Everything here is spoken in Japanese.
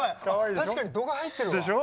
確かに度が入ってるわ。でしょ？